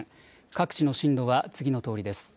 各地の震度は次のとおりです。